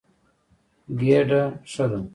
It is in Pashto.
ګېډه ښه ده.